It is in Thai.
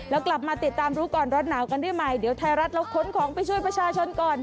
แล้วกลับมาติดตามรู้ก่อนร้อนหนาวกันได้ใหม่เดี๋ยวไทยรัฐเราค้นของไปช่วยประชาชนก่อน